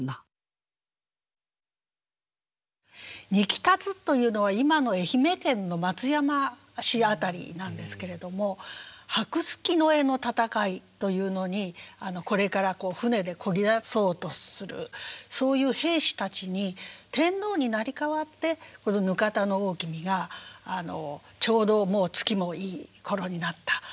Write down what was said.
「熟田津」というのは今の愛媛県の松山市辺りなんですけれども白村江の戦いというのにこれから船でこぎ出そうとするそういう兵士たちに天皇に成り代わってこの額田王が「ちょうどもう月もいい頃になった。